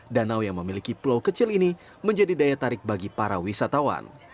danau yang memiliki pulau kecil ini menjadi daya tarik bagi para wisatawan